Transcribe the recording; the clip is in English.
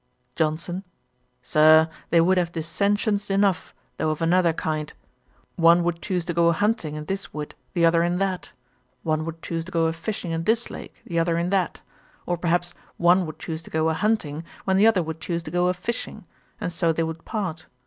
JOHNSON. 'Sir, they would have dissentions enough, though of another kind. One would choose to go a hunting in this wood, the other in that; one would choose to go a fishing in this lake, the other in that; or, perhaps, one would choose to go a hunting, when the other would choose to go a fishing; and so they would part.